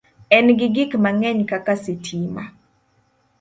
En gi gik mang'eny kaka sitima